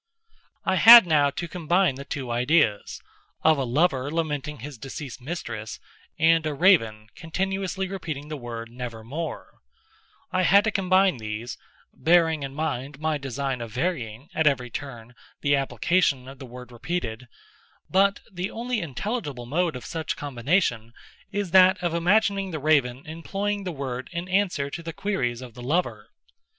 I had now to combine the two ideas, of a lover lamenting his deceased mistress and a Raven continuously repeating the word "Nevermore"—I had to combine these, bearing in mind my design of varying, at every turn, the application of the word repeated; but the only intelligible mode of such combination is that of imagining the Raven employing the word in answer to the queries of the lover.